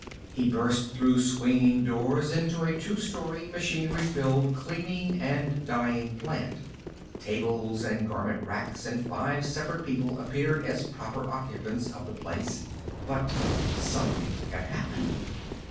He burst through swinging doors into a two story, machinery filled cleaning and dyeing plant. Tables and garment racks and five separate people appeared as proper occupants of the place. But something had happened.